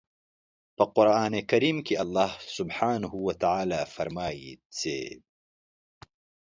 په قرآن کریم کې الله سبحانه وتعالی فرمايي چې